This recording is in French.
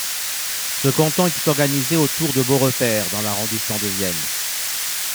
Ce canton était organisé autour de Beaurepaire dans l'arrondissement de Vienne.